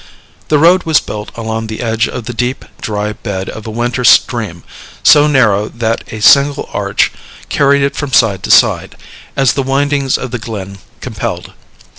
The road was built along the edge of the deep, dry bed of a winter stream, so narrow that a single arch carried it from side to side, as the windings of the glen compelled.